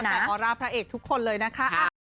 ได้คำสั่งขอลาพระเอกทุกคนเลยนะคะ